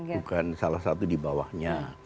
bukan salah satu di bawahnya